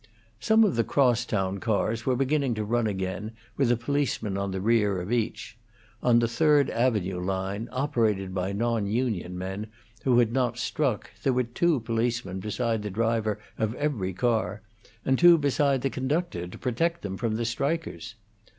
Some of the cross town cars were beginning to run again, with a policeman on the rear of each; on the Third Avenge line, operated by non union men, who had not struck, there were two policemen beside the driver of every car, and two beside the conductor, to protect them from the strikers.